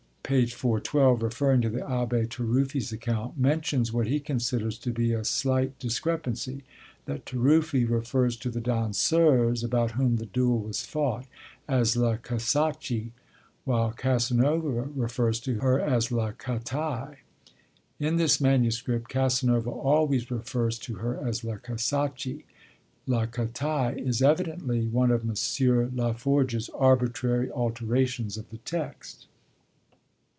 p. 412), referring to the Abbé Taruffi's account, mentions what he considers to be a slight discrepancy: that Taruffi refers to the danseuse, about whom the duel was fought, as La Casacci, while Casanova refers to her as La Catai. In this manuscript Casanova always refers to her as La Casacci; La Catai is evidently one of M. Laforgue's arbitrary alterations of the text.